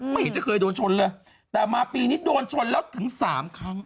ไม่เห็นจะเคยโดนชนเลยแต่มาปีนี้โดนชนแล้วถึงสามครั้ง